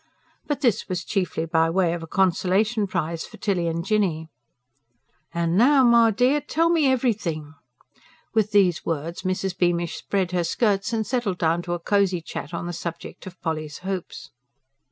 But this was chiefly by way of a consolation prize for Tilly and Jinny. "An' now, my dear, tell me EVERYTHING." With these words, Mrs. Beamish spread her skirts and settled down to a cosy chat on the subject of Polly's hopes.